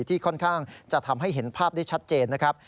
ที่ค่อนข้างจะทำให้เห็นภาพได้ชัดเจนนะครับ